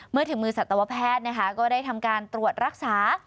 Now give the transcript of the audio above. เมื่อถึงมือสัตวแพทย์นะคะก็ได้ทำการตรวจรักษา